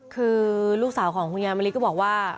คือลูกสาวของคุณยายมะลิก็บอกว่า